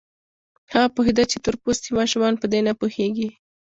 هغه پوهېده چې تور پوستي ماشومان په دې نه پوهېږي.